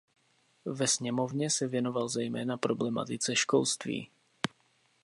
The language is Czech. Ve Sněmovně se věnoval zejména problematice školství.